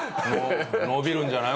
伸びるんじゃない？